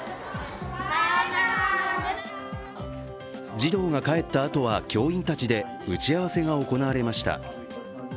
児童が帰ったあとは教員たちで打ち合わせが行われました。